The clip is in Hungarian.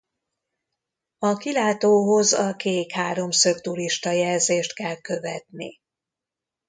A kilátóhoz a kék háromszög turistajelzést kell követni.